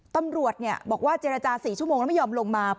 ตำรวจบอกว่าเจรจา๔ชั่วโมงแล้วไม่ยอมลงมา